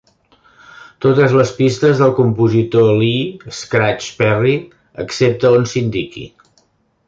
Totes les pistes del compositor Lee "Scratch" Perry, excepte on s'indiqui.